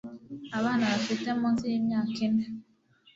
abana bafite munsi y'imyaka ine